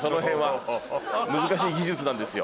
難しい技術なんですよ。